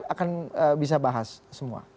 akan bisa bahas semua